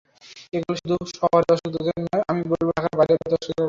এগুলো শুধু শহুরে দর্শকদের জন্য নয়, আমি বলব, ঢাকার বাইরের দর্শকেরাও দেখবেন।